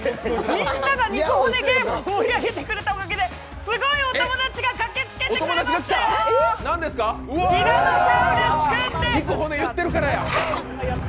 みんなが肉・骨ゲームを盛り上げてくれたおかげで、すごいお友達が駆けつけてくれましたよ！